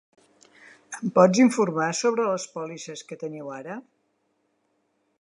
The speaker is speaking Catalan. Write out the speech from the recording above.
Em pots informar sobre les pòlisses que teniu ara?